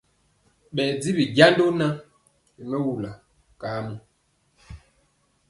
Ɓɛ jiwi jando na ri mɛwul kamɔ.